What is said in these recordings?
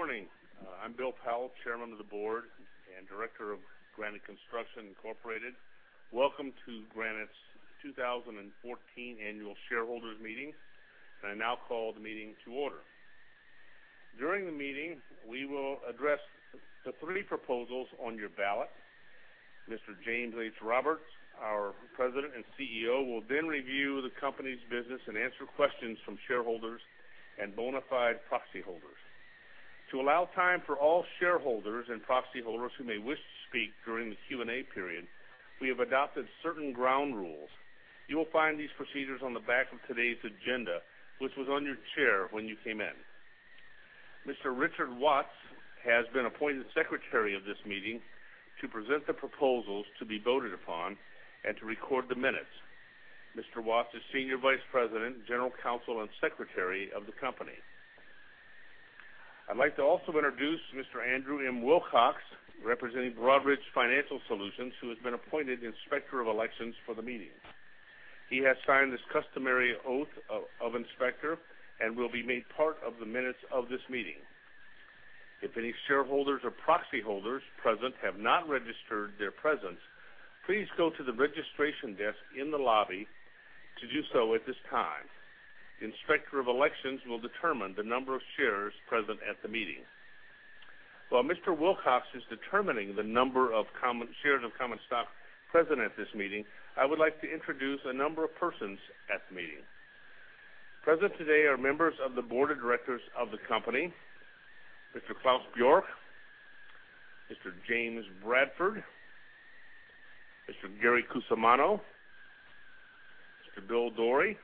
Good morning. I'm Bill Powell, Chairman of the Board and Director of Granite Construction Incorporated. Welcome to Granite's 2014 Annual Shareholders Meeting, and I now call the meeting to order. During the meeting, we will address the three proposals on your ballot. Mr. James H. Roberts, our President and CEO, will then review the company's business and answer questions from shareholders and bona fide proxy holders. To allow time for all shareholders and proxy holders who may wish to speak during the Q&A period, we have adopted certain ground rules. You will find these procedures on the back of today's agenda, which was on your chair when you came in. Mr. Richard Watts has been appointed Secretary of this meeting to present the proposals to be voted upon and to record the minutes. Mr. Watts is Senior Vice President, General Counsel, and Secretary of the company. I'd like to also introduce Mr. Andrew M. Wilcox, representing Broadridge Financial Solutions, who has been appointed Inspector of Elections for the meeting. He has signed this customary oath of inspector and will be made part of the minutes of this meeting. If any shareholders or proxy holders present have not registered their presence, please go to the registration desk in the lobby to do so at this time. The Inspector of Elections will determine the number of shares present at the meeting. While Mr. Wilcox is determining the number of common shares of common stock present at this meeting, I would like to introduce a number of persons at the meeting. Present today are members of the Board of Directors of the company, Mr. Claes Bjork, Mr. James Bradford, Mr. Gary Cusumano, Mr. Bill Dorey,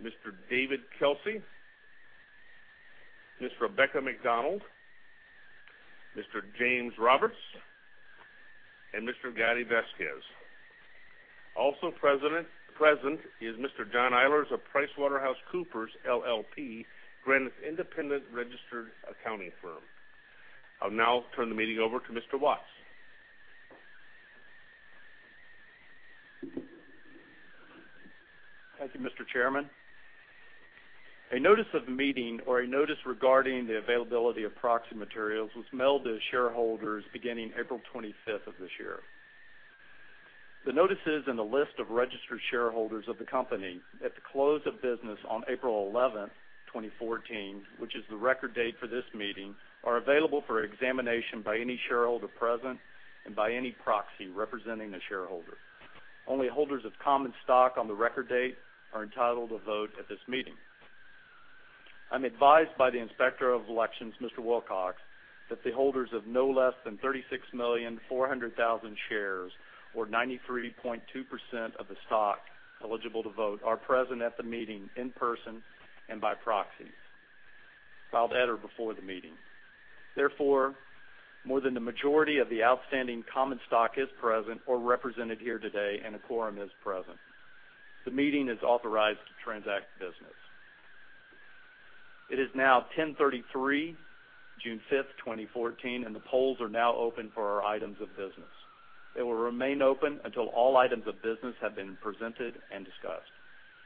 Mr. David Kelsey, Ms. Rebecca MacDonald, Mr. James Roberts, and Mr. Gaddi Vasquez. Also present is Mr. John Eilers of PricewaterhouseCoopers LLP, Granite's independent registered accounting firm. I'll now turn the meeting over to Mr. Watts. Thank you, Mr. Chairman. A notice of the meeting or a notice regarding the availability of proxy materials was mailed to shareholders beginning April 25th of this year. The notices and the list of registered shareholders of the company at the close of business on April 11th, 2014, which is the record date for this meeting, are available for examination by any shareholder present and by any proxy representing a shareholder. Only holders of common stock on the record date are entitled to vote at this meeting. I'm advised by the Inspector of Elections, Mr. Wilcox, that the holders of no less than 36,400,000 shares, or 93.2% of the stock eligible to vote, are present at the meeting in person and by proxy, filed at or before the meeting. Therefore, more than the majority of the outstanding common stock is present or represented here today, and a quorum is present. The meeting is authorized to transact business. It is now 10:33 A.M., June 5th, 2014, and the polls are now open for our items of business. They will remain open until all items of business have been presented and discussed.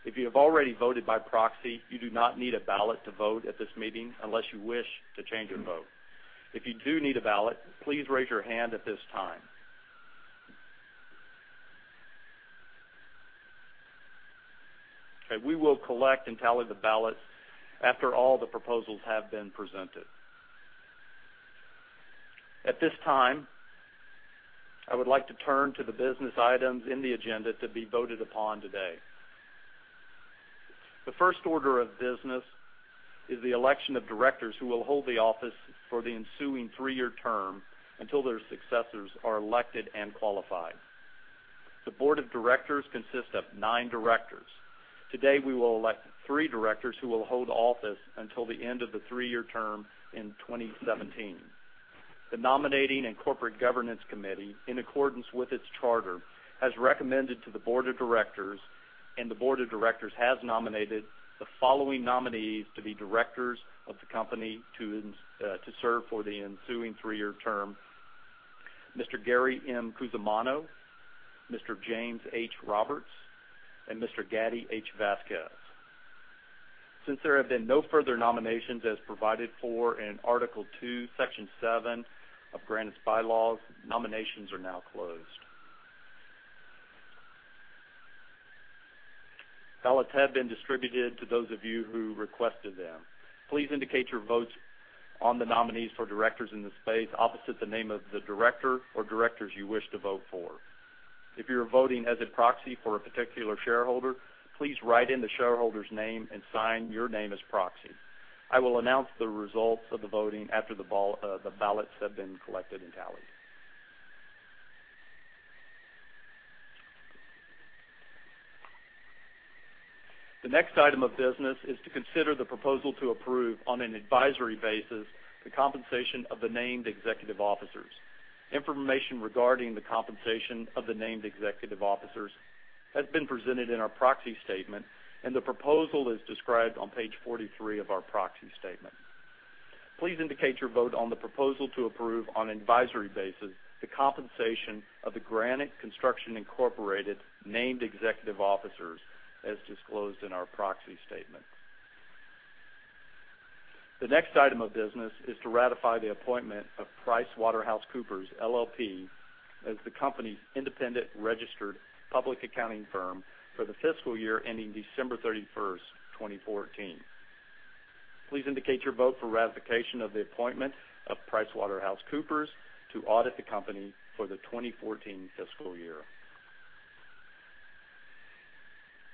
If you have already voted by proxy, you do not need a ballot to vote at this meeting unless you wish to change your vote. If you do need a ballot, please raise your hand at this time. Okay, we will collect and tally the ballots after all the proposals have been presented. At this time, I would like to turn to the business items in the agenda to be voted upon today. The first order of business is the election of directors, who will hold the office for the ensuing three-year term until their successors are elected and qualified. The Board of Directors consists of nine directors. Today, we will elect three directors, who will hold office until the end of the three-year term in 2017. The Nominating and Corporate Governance Committee, in accordance with its charter, has recommended to the Board of Directors, and the Board of Directors has nominated the following nominees to be directors of the company to serve for the ensuing three-year term: Mr. Gary M. Cusumano, Mr. James H. Roberts, and Mr. Gaddi H. Vasquez. Since there have been no further nominations as provided for in Article Two, Section Seven of Granite's bylaws, nominations are now closed. Ballots have been distributed to those of you who requested them. Please indicate your votes on the nominees for directors in the space opposite the name of the director or directors you wish to vote for. If you're voting as a proxy for a particular shareholder, please write in the shareholder's name and sign your name as proxy. I will announce the results of the voting after the ballots have been collected and tallied. The next item of business is to consider the proposal to approve, on an advisory basis, the compensation of the named executive officers. Information regarding the compensation of the named executive officers has been presented in our proxy statement, and the proposal is described on page 43 of our proxy statement. Please indicate your vote on the proposal to approve, on an advisory basis, the compensation of the Granite Construction Incorporated named executive officers, as disclosed in our proxy statement. The next item of business is to ratify the appointment of PricewaterhouseCoopers LLP as the company's independent registered public accounting firm for the fiscal year ending December 31st, 2014. Please indicate your vote for ratification of the appointment of PricewaterhouseCoopers to audit the company for the 2014 fiscal year.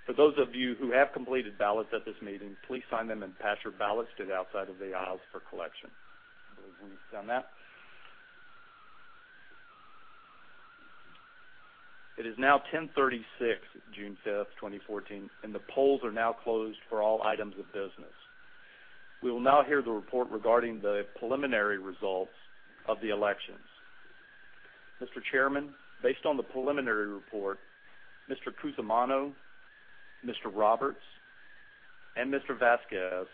For those of you who have completed ballots at this meeting, please sign them and pass your ballots to the outside of the aisles for collection. I believe we've done that. It is now 10:36 A.M., June 5th, 2014, and the polls are now closed for all items of business. We will now hear the report regarding the preliminary results of the elections. Mr. Chairman, based on the preliminary report, Mr. Cusumano, Mr. Roberts, and Mr. Vasquez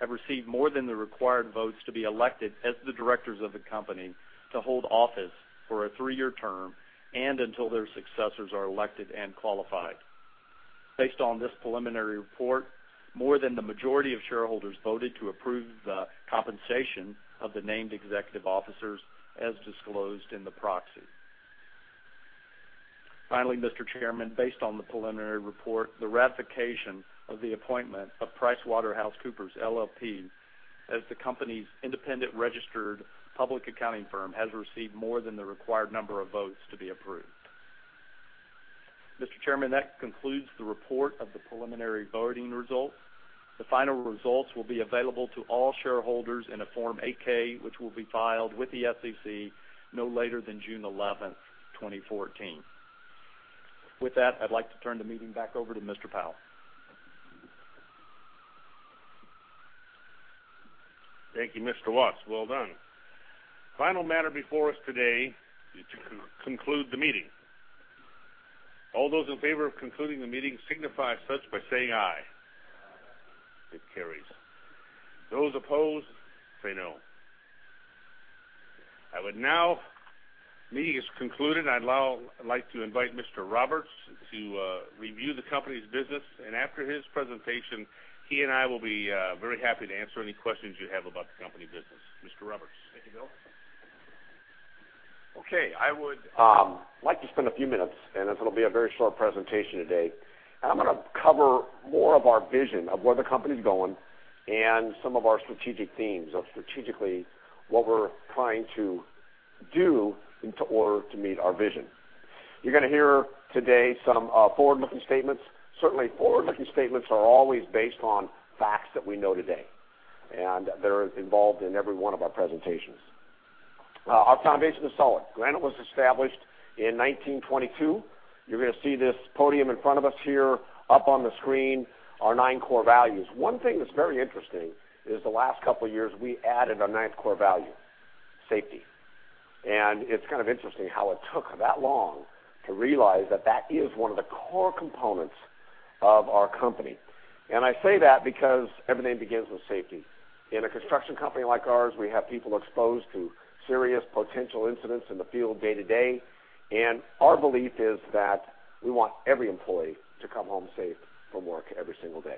have received more than the required votes to be elected as the directors of the company to hold office for a three-year term and until their successors are elected and qualified. Based on this preliminary report, more than the majority of shareholders voted to approve the compensation of the named executive officers, as disclosed in the proxy. Finally, Mr. Chairman, based on the preliminary report, the ratification of the appointment of PricewaterhouseCoopers, LLP, as the company's independent registered public accounting firm, has received more than the required number of votes to be approved. Mr. Chairman, that concludes the report of the preliminary voting results. The final results will be available to all shareholders in a Form 8-K, which will be filed with the SEC no later than June 11th, 2014. With that, I'd like to turn the meeting back over to Mr. Powell. Thank you, Mr. Watts. Well done. Final matter before us today is to conclude the meeting. All those in favor of concluding the meeting signify as such by saying, "Aye. Aye. It carries. Those opposed, say, "No." Meeting is concluded. I'd now like to invite Mr. Roberts to review the company's business, and after his presentation, he and I will be very happy to answer any questions you have about the company business. Mr. Roberts. Thank you, Bill. Okay, I would like to spend a few minutes, and this will be a very short presentation today. I'm gonna cover more of our vision of where the company's going and some of our strategic themes of strategically what we're trying to do in order to meet our vision. You're gonna hear today some forward-looking statements. Certainly, forward-looking statements are always based on facts that we know today, and they're involved in every one of our presentations. Our foundation is solid. Granite was established in 1922. You're gonna see this podium in front of us here, up on the screen, our nine core values. One thing that's very interesting is the last couple of years, we added a ninth core value, safety. It's kind of interesting how it took that long to realize that that is one of the core components of our company. I say that because everything begins with safety. In a construction company like ours, we have people exposed to serious potential incidents in the field day-to-day, and our belief is that we want every employee to come home safe from work every single day.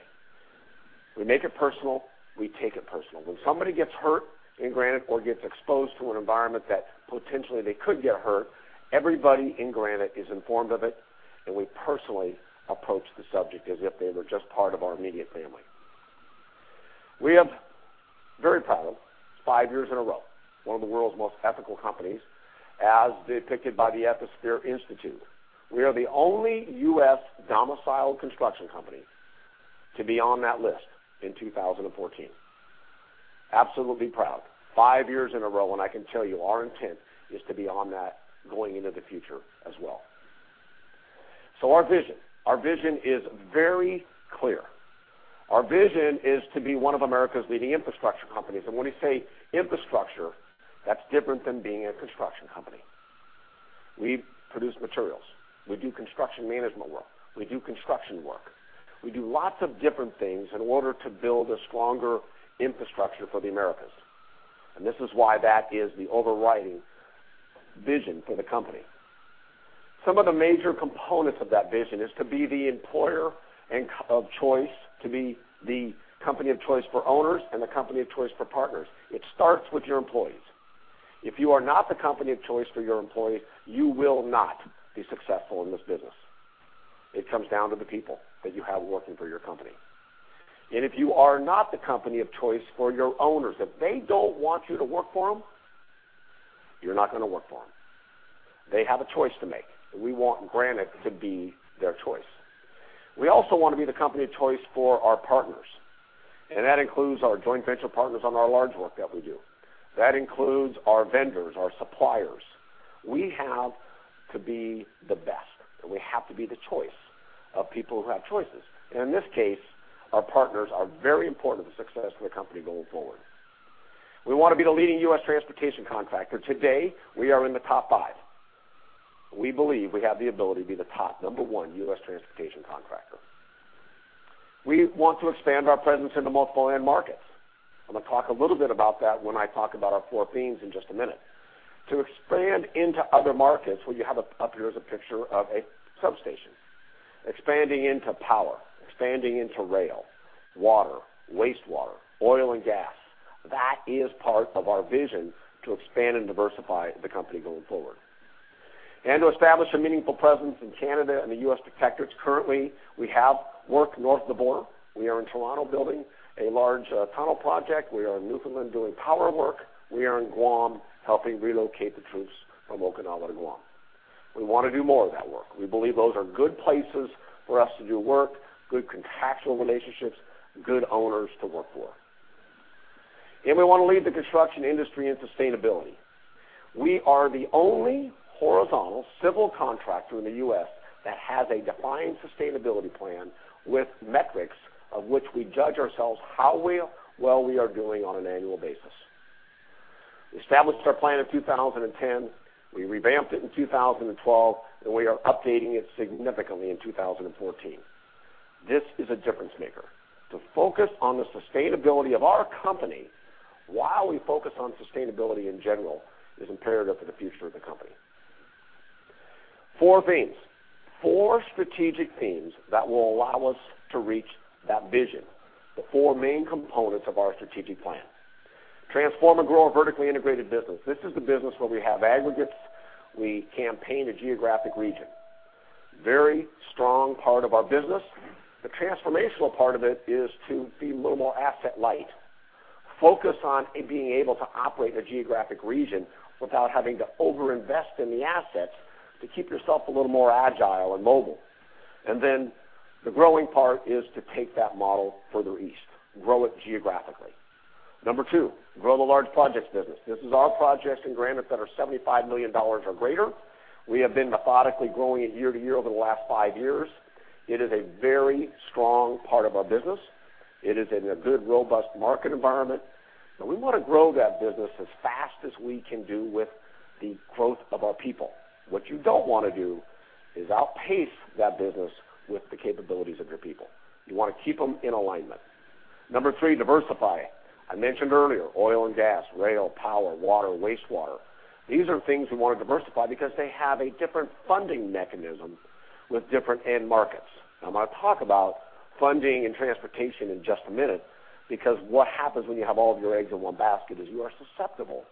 We make it personal, we take it personal. When somebody gets hurt in Granite or gets exposed to an environment that potentially they could get hurt, everybody in Granite is informed of it, and we personally approach the subject as if they were just part of our immediate family. We are very proud, five years in a row, one of the world's most ethical companies, as depicted by the Ethisphere Institute. We are the only U.S.-domiciled construction company to be on that list in 2014. Absolutely proud, five years in a row, and I can tell you our intent is to be on that going into the future as well. So our vision. Our vision is very clear. Our vision is to be one of America's leading infrastructure companies. And when we say infrastructure, that's different than being a construction company. We produce materials, we do construction management work, we do construction work. We do lots of different things in order to build a stronger infrastructure for the Americas. And this is why that is the overriding vision for the company. Some of the major components of that vision is to be the employer and of choice, to be the company of choice for owners, and the company of choice for partners. It starts with your employees. If you are not the company of choice for your employees, you will not be successful in this business. It comes down to the people that you have working for your company. And if you are not the company of choice for your owners, if they don't want you to work for them, you're not gonna work for them. They have a choice to make, and we want Granite to be their choice. We also want to be the company of choice for our partners, and that includes our joint venture partners on our large work that we do. That includes our vendors, our suppliers. We have to be the best, and we have to be the choice of people who have choices. And in this case, our partners are very important to the success of the company going forward. We want to be the leading U.S. transportation contractor. Today, we are in the top five. We believe we have the ability to be the top, number one, U.S. transportation contractor. We want to expand our presence into multiple end markets. I'm gonna talk a little bit about that when I talk about our four themes in just a minute. To expand into other markets, what you have up here is a picture of a substation. Expanding into power, expanding into rail, water, wastewater, oil, and gas. That is part of our vision to expand and diversify the company going forward. And to establish a meaningful presence in Canada and the U.S. territories. Currently, we have work north of the border. We are in Toronto, building a large tunnel project. We are in Newfoundland, doing power work. We are in Guam, helping relocate the troops from Okinawa to Guam. We wanna do more of that work. We believe those are good places for us to do work, good contractual relationships, good owners to work for. And we want to lead the construction industry in sustainability. We are the only horizontal civil contractor in the U.S. that has a defined sustainability plan with metrics of which we judge ourselves how well we are doing on an annual basis. We established our plan in 2010, we revamped it in 2012, and we are updating it significantly in 2014. This is a difference maker. To focus on the sustainability of our company while we focus on sustainability in general, is imperative for the future of the company. Four themes, four strategic themes that will allow us to reach that vision, the four main components of our strategic plan. Transform and grow our vertically integrated business. This is the business where we have aggregates. We campaign a geographic region, very strong part of our business. The transformational part of it is to be a little more asset light, focus on being able to operate a geographic region without having to overinvest in the assets, to keep yourself a little more agile and mobile. And then the growing part is to take that model further east, grow it geographically. Number two, grow the large projects business. This is our projects in Granite that are $75 million or greater. We have been methodically growing it year to year over the last five years. It is a very strong part of our business. It is in a good, robust market environment, and we want to grow that business as fast as we can do with the growth of our people. What you don't want to do is outpace that business with the capabilities of your people. You want to keep them in alignment. Number three, diversify. I mentioned earlier, oil and gas, rail, power, water, wastewater. These are things we want to diversify because they have a different funding mechanism with different end markets. I'm gonna talk about funding and transportation in just a minute, because what happens when you have all of your eggs in one basket is you are susceptible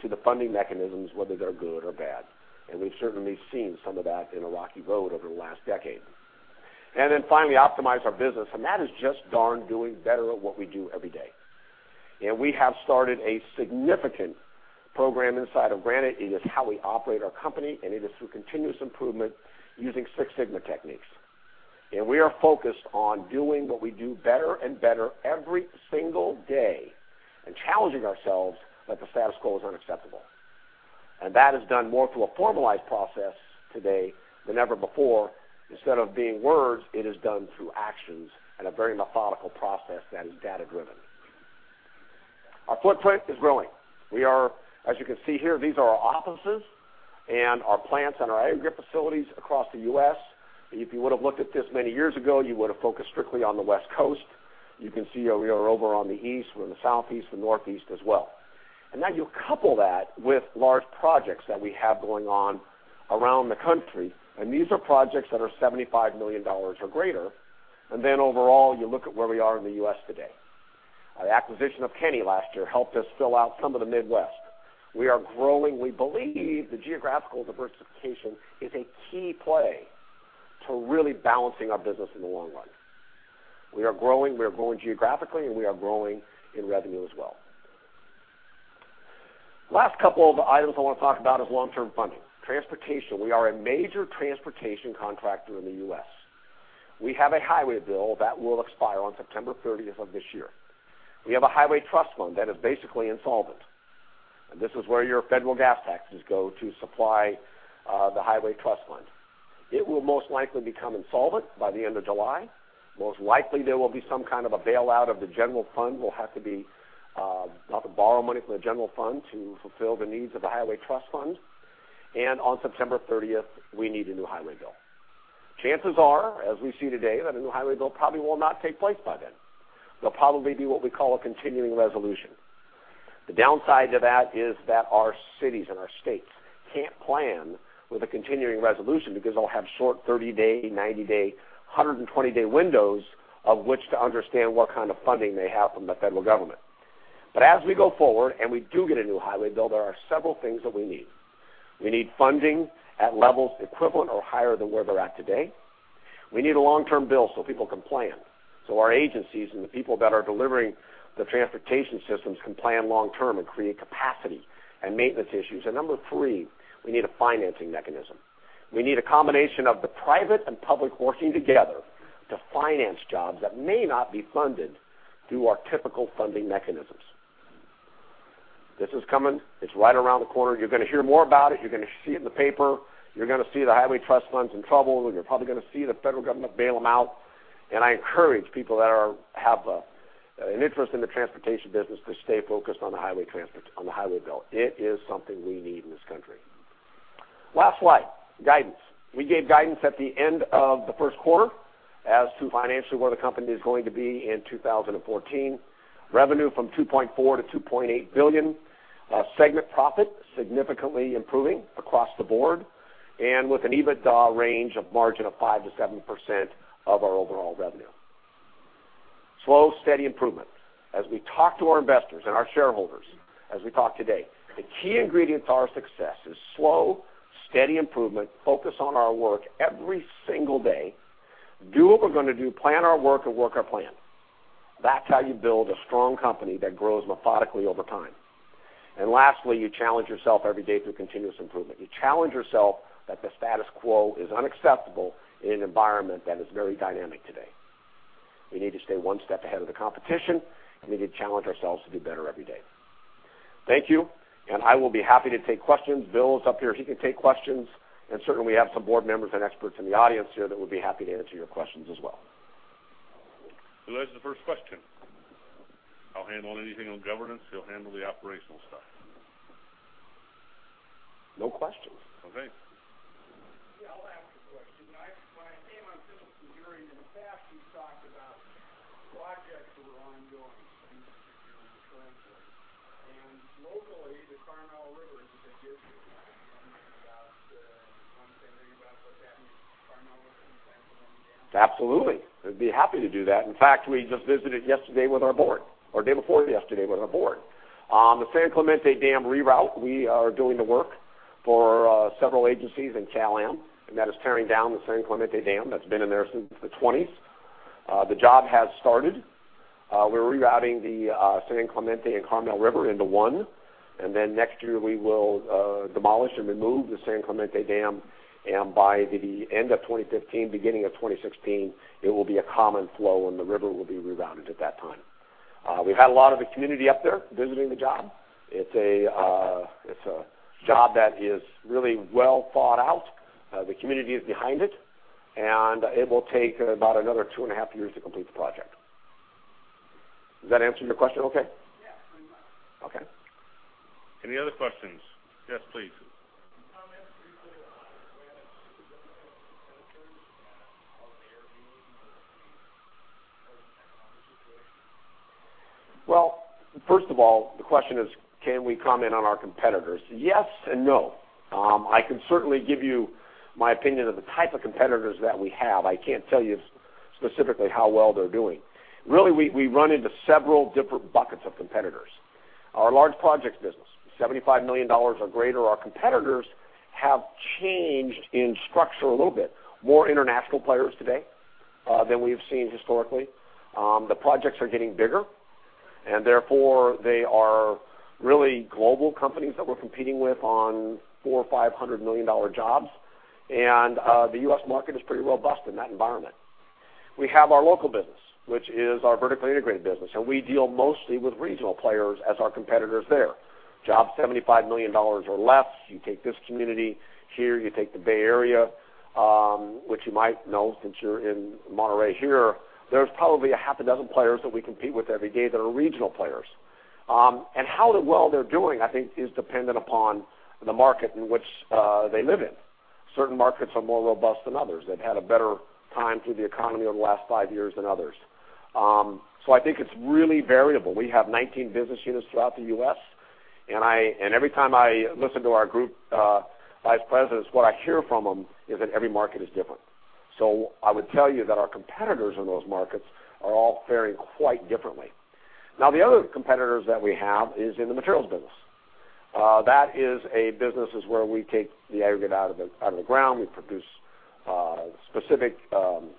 to the funding mechanisms, whether they're good or bad, and we've certainly seen some of that in a rocky road over the last decade. And then finally, optimize our business. And that is just darn doing better at what we do every day. And we have started a significant program inside of Granite. It is how we operate our company, and it is through continuous improvement using Six Sigma techniques. We are focused on doing what we do better and better every single day and challenging ourselves that the status quo is unacceptable. That is done more through a formalized process today than ever before. Instead of being words, it is done through actions and a very methodical process that is data-driven. Our footprint is growing. We are, as you can see here, these are our offices and our plants and our aggregate facilities across the U.S. If you would have looked at this many years ago, you would have focused strictly on the West Coast. You can see how we are over on the East, we're in the Southeast and Northeast as well. Then you couple that with large projects that we have going on around the country, and these are projects that are $75 million or greater. And then overall, you look at where we are in the U.S. today. Our acquisition of Kenny last year helped us fill out some of the Midwest. We are growing. We believe the geographical diversification is a key play to really balancing our business in the long run. We are growing, we are growing geographically, and we are growing in revenue as well. Last couple of items I want to talk about is long-term funding. Transportation. We are a major transportation contractor in the U.S. We have a highway bill that will expire on September 30th of this year. We have a Highway Trust Fund that is basically insolvent, and this is where your federal gas taxes go to supply the Highway Trust Fund. It will most likely become insolvent by the end of July. Most likely, there will be some kind of a bailout of the general fund. We'll have to be, we'll have to borrow money from the general fund to fulfill the needs of the Highway Trust Fund. On September 30th, we need a new Highway Bill. Chances are, as we see today, that a new Highway Bill probably will not take place by then. There'll probably be what we call a continuing resolution. The downside to that is that our cities and our states can't plan with a continuing resolution because they'll have short 30-day, 90-day, 120-day windows of which to understand what kind of funding they have from the federal government. As we go forward and we do get a new Highway Bill, there are several things that we need. We need funding at levels equivalent or higher than where they're at today. We need a long-term bill so people can plan, so our agencies and the people that are delivering the transportation systems can plan long term and create capacity and maintenance issues. And number three, we need a financing mechanism. We need a combination of the private and public working together to finance jobs that may not be funded through our typical funding mechanisms. This is coming. It's right around the corner. You're gonna hear more about it. You're gonna see it in the paper. You're gonna see the Highway Trust Fund's in trouble, and you're probably gonna see the federal government bail them out. And I encourage people that have an interest in the transportation business to stay focused on the Highway Bill. It is something we need in this country. Last slide, guidance. We gave guidance at the end of the first quarter as to financially where the company is going to be in 2014. Revenue from $2.4 billion-$2.8 billion. Segment profit significantly improving across the board, and with an EBITDA range of margin of 5%-7% of our overall revenue. Slow, steady improvement. As we talk to our investors and our shareholders, as we talk today, the key ingredient to our success is slow, steady improvement, focus on our work every single day, do what we're gonna do, plan our work, and work our plan. That's how you build a strong company that grows methodically over time. And lastly, you challenge yourself every day through continuous improvement. You challenge yourself that the status quo is unacceptable in an environment that is very dynamic today. We need to stay one step ahead of the competition, and we need to challenge ourselves to do better every day. Thank you, and I will be happy to take questions. Bill is up here. He can take questions, and certainly, we have some board members and experts in the audience here that would be happy to answer your questions as well. Who has the first question? I'll handle anything on governance. He'll handle the operational stuff. No questions. Okay. Yeah, I'll ask a question. I, when I came on fiscal year, in the past, you talked about projects that were ongoing, in particular, in the transit, and locally, the Carmel River is a big issue. Can you tell me about, want to say anything about what's happening with Carmel River and San Clemente Dam? Absolutely. I'd be happy to do that. In fact, we just visited yesterday with our Board, or day before yesterday with our Board. The San Clemente Dam reroute, we are doing the work for several agencies in Cal Am, and that is tearing down the San Clemente Dam. That's been in there since the 1920s. The job has started. We're rerouting the San Clemente and Carmel River into one, and then next year we will demolish and remove the San Clemente Dam, and by the end of 2015, beginning of 2016, it will be a common flow, and the river will be rerouted at that time. We've had a lot of the community up there visiting the job. It's a job that is really well thought out. The community is behind it, and it will take about another two and a half years to complete the project. Does that answer your question okay? Yeah, pretty much. Okay. Any other questions? Yes, please. Can you comment briefly on whether or not competitors and how they are doing or the current economic situation? Well, first of all, the question is, can we comment on our competitors? Yes and no. I can certainly give you my opinion of the type of competitors that we have. I can't tell you specifically how well they're doing. Really, we run into several different buckets of competitors. Our large projects business, $75 million or greater, our competitors have changed in structure a little bit. More international players today than we've seen historically. The projects are getting bigger, and therefore, they are really global companies that we're competing with on $400 million-$500 million jobs. The U.S. market is pretty robust in that environment. We have our local business, which is our vertically integrated business, and we deal mostly with regional players as our competitors there. Jobs $75 million or less, you take this community here, you take the Bay Area, which you might know since you're in Monterey here, there's probably a half a dozen players that we compete with every day that are regional players. And how well they're doing, I think, is dependent upon the market in which they live in. Certain markets are more robust than others. They've had a better time through the economy over the last five years than others. So I think it's really variable. We have 19 business units throughout the U.S., and every time I listen to our group vice presidents, what I hear from them is that every market is different. So I would tell you that our competitors in those markets are all faring quite differently. Now, the other competitors that we have is in the materials business. That is a business where we take the aggregate out of the ground. We produce specific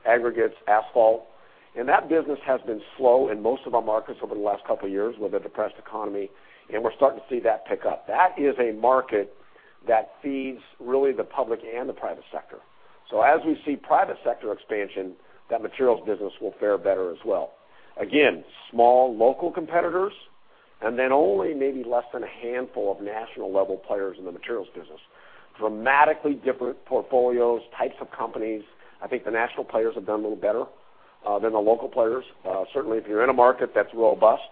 aggregates, asphalt, and that business has been slow in most of our markets over the last couple of years with a depressed economy, and we're starting to see that pick up. That is a market that feeds really the public and the private sector. So as we see private sector expansion, that materials business will fare better as well. Again, small local competitors, and then only maybe less than a handful of national-level players in the materials business. Dramatically different portfolios, types of companies. I think the national players have done a little better than the local players. Certainly, if you're in a market that's robust,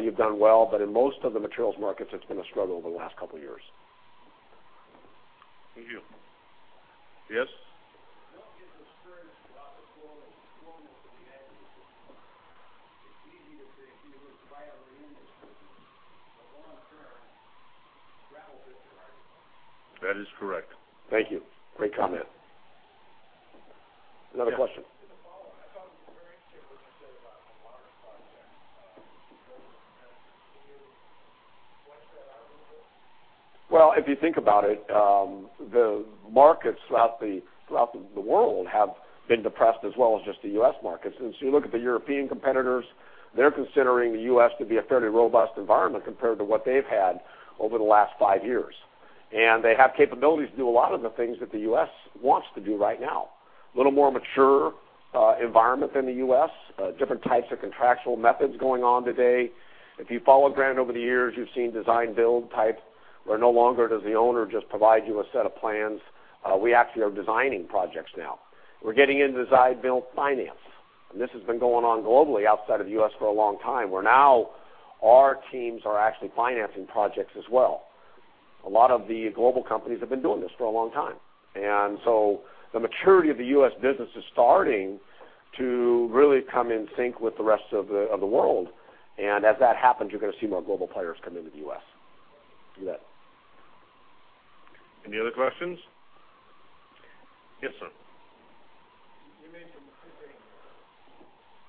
you've done well, but in most of the materials markets, it's been a struggle over the last couple of years. Thank you. Yes? What is the scourge about the global performance of the industry? It's easy to say if you look right on the industry, but long term, grapples with your argument. That is correct. Thank you. Great comment. Another question. Just to follow, I thought it was very interesting what you said about the water project. Can you flesh that out a little bit? Well, if you think about it, the markets throughout the world have been depressed as well as just the U.S. markets. And so you look at the European competitors, they're considering the U.S. to be a fairly robust environment compared to what they've had over the last five years. And they have capabilities to do a lot of the things that the U.S. wants to do right now. A little more mature environment than the U.S., different types of contractual methods going on today. If you follow Granite over the years, you've seen design-build type, where no longer does the owner just provide you a set of plans, we actually are designing projects now. We're getting into design-build finance, and this has been going on globally outside of the U.S. for a long time, where now our teams are actually financing projects as well. A lot of the global companies have been doing this for a long time, and so the maturity of the U.S. business is starting to really come in sync with the rest of the world. As that happens, you're gonna see more global players come into the U.S. You bet. Any other questions? Yes, sir. You mentioned two things,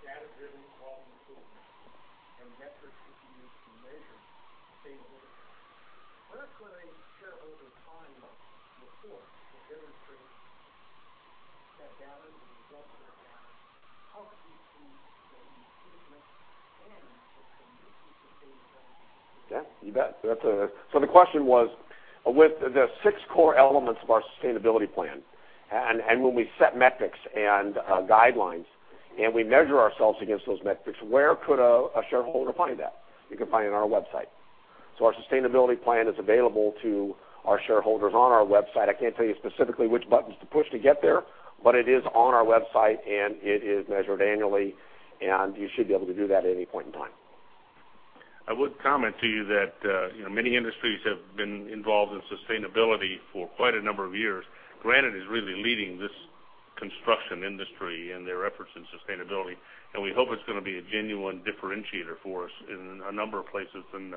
data-driven problem solutions and metrics that you use to measure sustainability. Where could a shareholder find reports that demonstrate that data, the results of that data? How could we see the business and the sustainability? Yeah, you bet. So the question was, with the six core elements of our sustainability plan, and when we set metrics and guidelines, and we measure ourselves against those metrics, where could a shareholder find that? You can find it on our website. So our sustainability plan is available to our shareholders on our website. I can't tell you specifically which buttons to push to get there, but it is on our website, and it is measured annually, and you should be able to do that at any point in time. I would comment to you that, you know, many industries have been involved in sustainability for quite a number of years. Granite is really leading this construction industry in their efforts in sustainability, and we hope it's gonna be a genuine differentiator for us in a number of places and,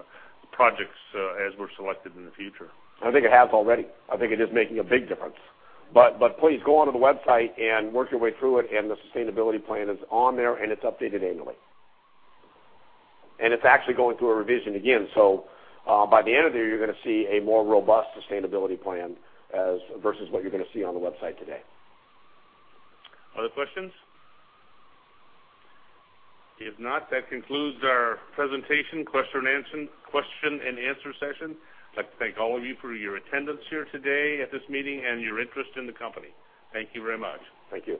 projects, as we're selected in the future. I think it has already. I think it is making a big difference. But please go onto the website and work your way through it, and the sustainability plan is on there, and it's updated annually. And it's actually going through a revision again, so by the end of the year, you're gonna see a more robust sustainability plan as versus what you're gonna see on the website today. Other questions? If not, that concludes our presentation, question and answer, question and answer session. I'd like to thank all of you for your attendance here today at this meeting and your interest in the company. Thank you very much. Thank you.